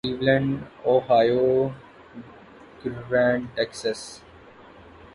Cleveland Ohio گارینڈ Texas